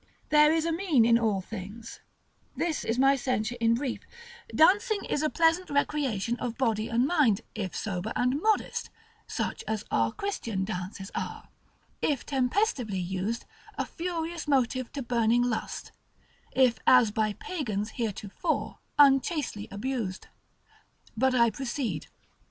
There is a mean in all things: this is my censure in brief; dancing is a pleasant recreation of body and mind, if sober and modest (such as our Christian dances are); if tempestively used, a furious motive to burning lust; if as by Pagans heretofore, unchastely abused. But I proceed.